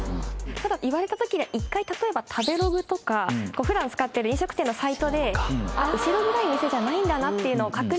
ただ言われた時に一回例えば食べログとか普段使ってる飲食店のサイトで後ろ暗い店じゃないんだなっていうのを確認。